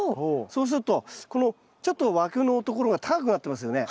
そうするとこのちょっと枠のところが高くなってますよね。